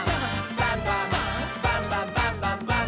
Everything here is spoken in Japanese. バンバン」「バンバンバンバンバンバン！」